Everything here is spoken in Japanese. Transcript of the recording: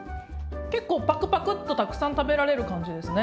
結構パクパクッとたくさん食べられる感じですね。